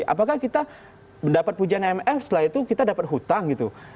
apakah kita mendapat pujian imf setelah itu kita dapat hutang gitu